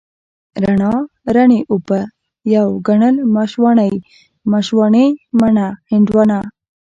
رڼا، رڼې اوبه، يو ګڼل، مشواڼۍ، مشواڼې، مڼه، هندواڼه،